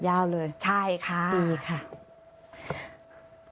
ยาวเลยใช่ค่ะดีค่ะ